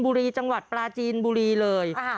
บุรีจังหวัดปลาจีนบุรีเลย